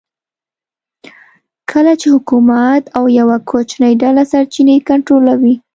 کله چې حکومت او یوه کوچنۍ ډله سرچینې کنټرولوي